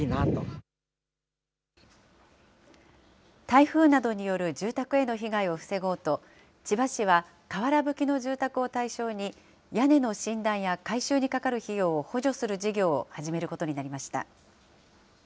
台風などによる住宅への被害を防ごうと、千葉市は瓦ぶきの住宅を対象に、屋根の診断や改修にかかる費用を補助する事業を始めることになりました。